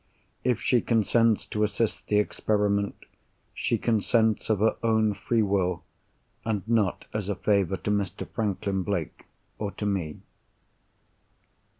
If she consents to assist the experiment, she consents of her own free will, and not as a favour to Mr. Franklin Blake or to me.